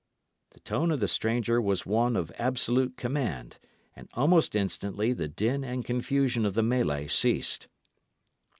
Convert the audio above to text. The tone of the stranger was one of absolute command, and almost instantly the din and confusion of the mellay ceased.